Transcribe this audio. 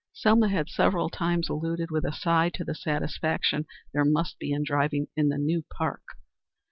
Selma had several times alluded with a sigh to the satisfaction there must be in driving in the new park.